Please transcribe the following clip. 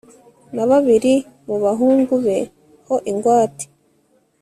na babiri mu bahungu be ho ingwate